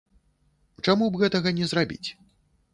Чаму б гэтага не зрабіць?